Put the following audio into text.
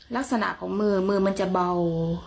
ลักษณะของมือมือมือมันจะเบา